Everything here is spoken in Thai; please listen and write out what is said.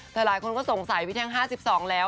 แต่หลายคนก็สงสัยพี่แท่ง๕๒แล้ว